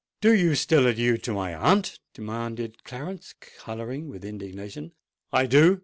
"Do you still allude to my aunt?" demanded Clarence, colouring with indignation. "I do.